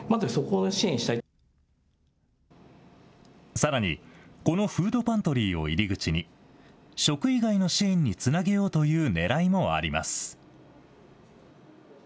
さらに、このフードパントリーを入り口に、食以外の支援につなげようというねらいもあります。